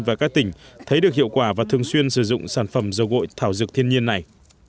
và các tỉnh thấy được hiệu quả và thường xuyên sử dụng sản phẩm dầu gội thảo dược thiên nhiên này